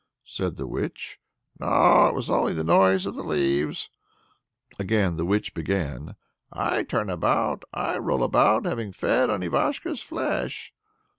said the witch. "No it was only the noise of the leaves." Again the witch began: "I turn about, I roll about, having fed on Ivashko's flesh!"